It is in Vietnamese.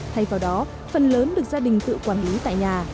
thay vào đó phần lớn được gia đình tự quản lý tại nhà